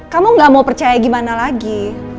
kamu gak mau percaya gimana lagi